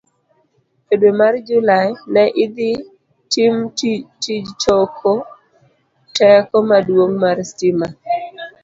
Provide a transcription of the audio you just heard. E dwe mar Julai, ne idhi tim tij choko teko maduong' mar stima.